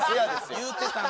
言うてたな